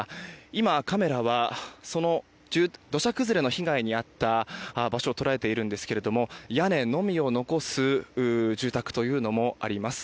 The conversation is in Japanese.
今、カメラは土砂崩れの被害に遭った場所を捉えているんですけども屋根のみを残す住宅というのもあります。